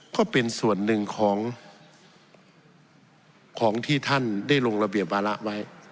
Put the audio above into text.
ก็เป็นส่วนหนึ่งของที่ท่านได้ลงระเบียบวาระไว้